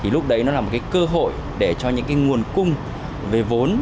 lúc đấy nó là một cơ hội để cho những nguồn cung về vốn